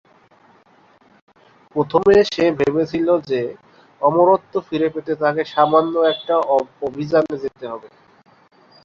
প্রথমে সে ভেবেছিল যে অমরত্ব ফিরে পেতে তাকে সামান্য একটা অভিযানে যেতে হবে।